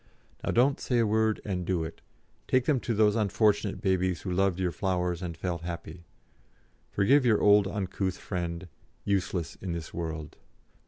Now don't say a word, and do it; take them to those unfortunate babies who loved your flowers and felt happy. Forgive your old uncouth friend, useless in this world!